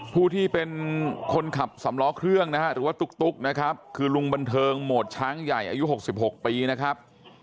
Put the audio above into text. ผู้ที่เป็นคนขับสำล้อเครื่องนะฮะหรือว่าตุ๊กนะครับคือลุงบันเทิงโหมดช้างใหญ่อายุ๖๖ปีนะครับ